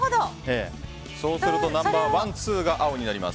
そうするとナンバー１、２が青になります。